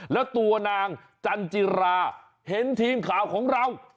แล้วตัวนางจันจิราเห็นทีมข่าวของเรา